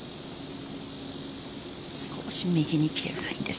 少し右に切れるラインです。